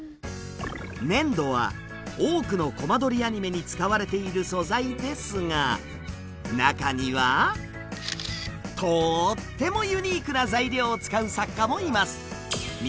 粘土は多くのコマ撮りアニメに使われている素材ですが中にはとーってもユニークな材料を使う作家もいます。